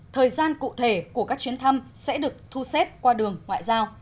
thời gian cụ thể của các chuyến thăm sẽ được thu xếp qua đường ngoại giao